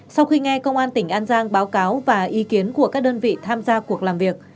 sau khi nghe công an tỉnh an giang báo cáo và ý kiến của các đơn vị tham gia cuộc làm việc